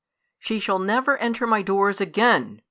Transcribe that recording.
"She shall never enter my doors again!"